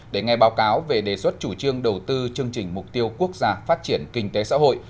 để nghe báo cáo về đề xuất chủ trương đầu tư chương trình mục tiêu quốc gia phát triển kinh tế xã hội